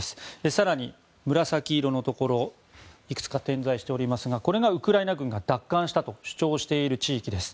更に紫色のところがいくつか点在しておりますがこれがウクライナ軍が奪還したと主張している地域です。